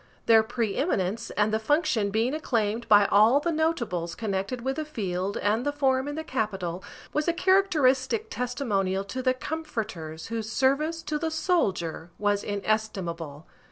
Their preeminence and the function being acclaimed by all the notables connected with the field and the forum in the capital, was a characteristic testimonial to the comforters whose service to the soldier was inestimable.